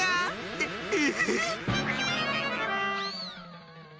ええ。